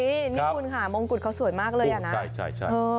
นี่คุณค่ะมงกุฎเขาสวยมากเลยอ่ะนะใช่ใช่